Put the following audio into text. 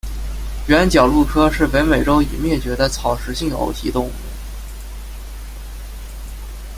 原角鹿科是北美洲已灭绝的草食性偶蹄动物。